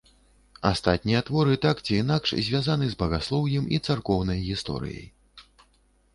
Астатнія творы так ці інакш звязаны з багаслоўем і царкоўнай гісторыяй.